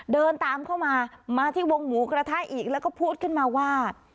เดินตามเข้ามามาที่วงหมูกระทะอีกแล้วก็พูดขึ้นมาว่า